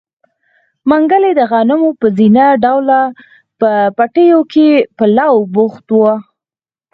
منګلی د غنمو په زينه ډوله پټيو کې په لو بوخت و.